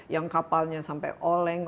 yang kapalnya sampai oleng